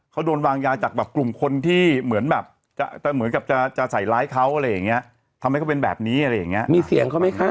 มันเป็นวางยาจากกลุ่มคนที่เหมือนกับจะใส่ร้ายเขาอะไรอย่างเงี้ย